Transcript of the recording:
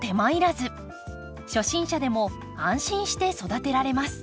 初心者でも安心して育てられます。